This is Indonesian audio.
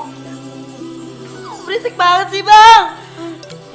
berisik banget sih bang